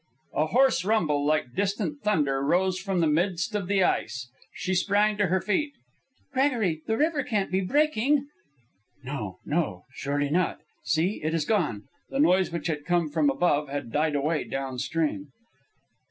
A hoarse rumble, like distant thunder, rose from the midst of the ice. She sprang to her feet. "Gregory, the river can't be breaking!" "No, no; surely not. See, it is gone." The noise which had come from above had died away downstream.